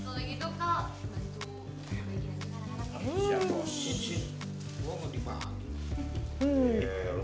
habis jam rosin sih gue mau dimakan